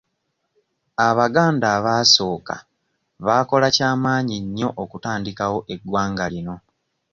Abaganda abaasooka baakola kya maanyi nnyo okutandikawo eggwanga lino.